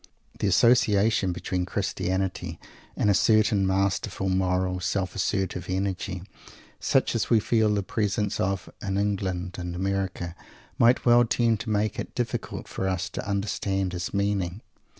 The association between Christianity and a certain masterful, moral, self assertive energy, such as we feel the presence of in England and America, might well tend to make it difficult for us to understand his meaning.